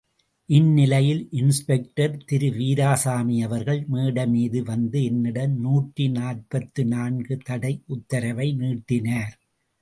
இந்நிலையில் இன்ஸ்பெக்டர் திரு வீராசாமி அவர்கள் மேடைமீது வந்து என்னிடம் நூற்றி நாற்பத்து நான்கு தடை உத்தரவை நீட்டினார்.